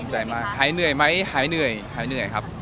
หายเหนื่อยไหมหายเหนื่อยครับ